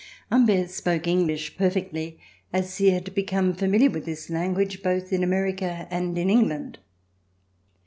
Humbert spoke English perfectly, as he had become familiar with this language, both in America and in England.